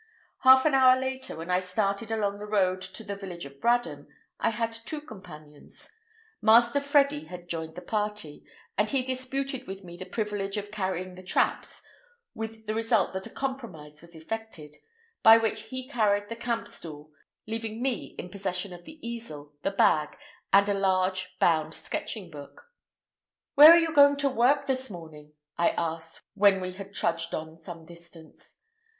Half an hour later, when I started along the road to the village of Bradham, I had two companions. Master Freddy had joined the party, and he disputed with me the privilege of carrying the "traps," with the result that a compromise was effected, by which he carried the camp stool, leaving me in possession of the easel, the bag, and a large bound sketching block. "Where are you going to work this morning?" I asked, when we had trudged on some distance.